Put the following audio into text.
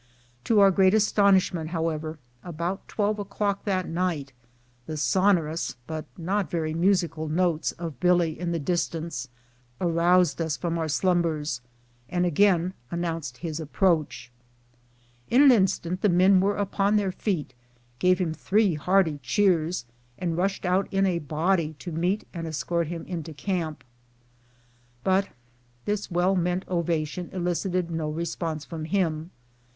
To our great astonish ment, however, about twelve o'clock that night the sonor ous but not very musical notes of Billy in the distance aroused us from our slumbers, and again announced his ap proach. In an instant the men were upon their feet, gave BIVOUAC IN THE SNOW. 241 three hearty cheers, and rushed out in a body to meet and escort him into camp. ■ But this well meant ovation elicited no response from him.